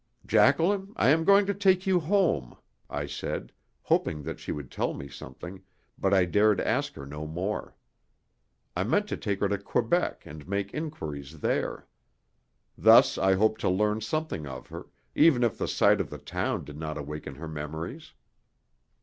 "Jacqueline, I am going to take you home," I said, hoping that she would tell me something, but I dared ask her no more. I meant to take her to Quebec and make inquiries there. Thus I hoped to learn something of her, even if the sight of the town did not awaken her memories.